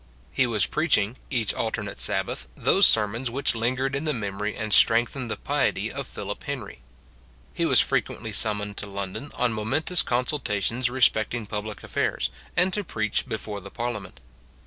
He was preaching, each alternate Sabbath, those sermons ■which lingered in the memory and strengthened the piety of Philip Henry. He was frequently summoned to London on momentous con sultations respecting public affairs, and to preach before the Parliament.